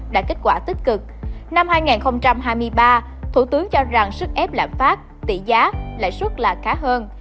đạt kết quả tích cực năm hai nghìn hai mươi ba thủ tướng cho rằng sức ép lạm phát tỷ giá lãi suất là khá hơn